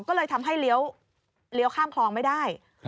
ก็เลยทำให้เลี้ยวข้ามคลองไม่ได้